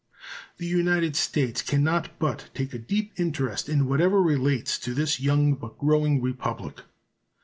The United States can not but take a deep interest in whatever relates to this young but growing Republic.